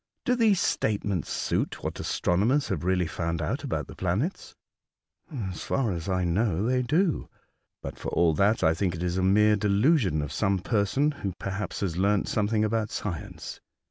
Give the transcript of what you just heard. Do these state ments suit what astronomers have really found out about the planets ?"" As far as I know they do. But, for all that, I think it a mere delusion of some per son, who perhaps has learnt something about science."